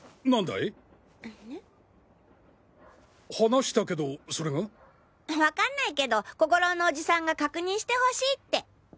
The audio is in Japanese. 話したけどそれが？分かんないけど小五郎のオジさんが確認してほしいって。